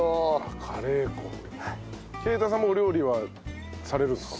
啓太さんもお料理はされるんですか？